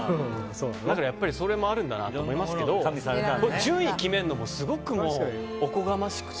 だからそれもあるんだなとは思いますけど順位を決めるのもすごい、おこがましくて。